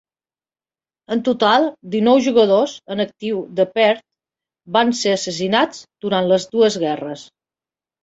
En total, dinou jugadors en actiu de Perth van ser assassinats durant les dues guerres.